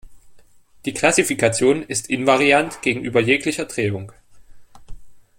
Die Klassifikation ist invariant gegenüber jeglicher Drehung.